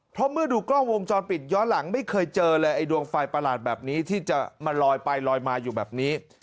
เพราะเมื่อดูกล้องวงจรปิดย้อนหลังไม่เคยเจอเลยไอ้ดวงไฟประหลาดแบบนี้ที่จะมาลอยไปลอยมาอยู่แบบนี้